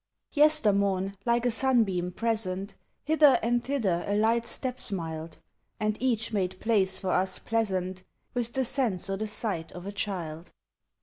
Yestermorn like a sunbeam present Hither and thither a light step smiled, And made each place for us pleasant With the sense or the sight of a child.